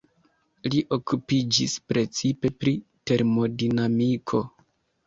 Li okupiĝis precipe pri termodinamiko.